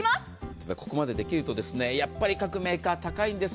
ただ、ここまでできるとやっぱり各メーカー、高いんです。